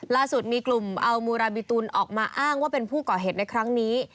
ล่าสุดมีกลุ่มอัลมูราบิตุลออกมาอ้างว่าเป็นผู้ก่อเหตุในครั้งนี้